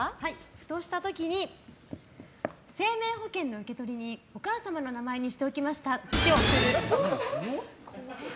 ふとした時に生命保険の受取人お母様の名前にしておきましたって送る。